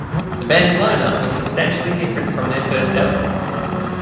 The band's line-up was substantially different from their first album.